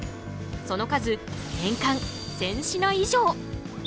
その数年間１，０００品以上！